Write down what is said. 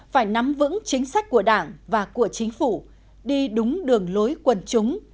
phải nắm vững chính sách của đảng và của chính phủ đi đúng đường lối quần chúng